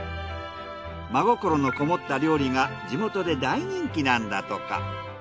真心のこもった料理が地元で大人気なんだとか。